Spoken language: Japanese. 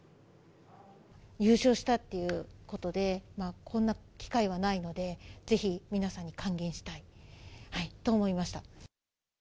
優勝したっていうことで、こんな機会はないので、ぜひ皆さんに還元したいと思いました。